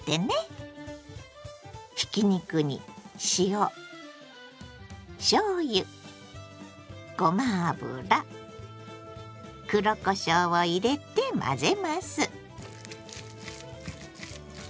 ひき肉に塩しょうゆごま油黒こしょうを入れて混ぜます。